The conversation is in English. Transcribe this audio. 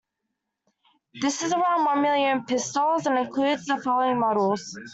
This is around one million pistols and includes the following models.